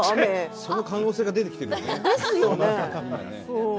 その可能性が出てきているよね。